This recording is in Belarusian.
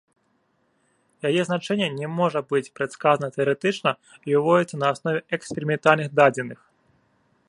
Яе значэнне не можа быць прадказана тэарэтычна і ўводзіцца на аснове эксперыментальных дадзеных.